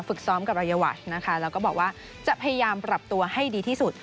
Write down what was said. ซ้อมกับรายวัชนะคะแล้วก็บอกว่าจะพยายามปรับตัวให้ดีที่สุด